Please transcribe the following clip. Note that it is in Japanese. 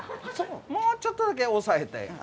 もうちょっとだけ抑えて。